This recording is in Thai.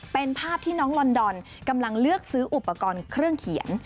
เป็นภาพที่น้องลอนดอนกำลังเลือกซื้ออุปกรณ์เครื่องเขียน